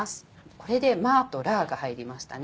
これで「麻」と「辣」が入りましたね。